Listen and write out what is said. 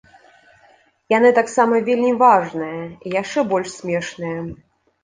Яны таксам вельмі важныя, і яшчэ больш смешныя.